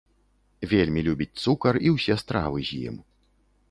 Вельмі любіць цукар і ўсе стравы з ім.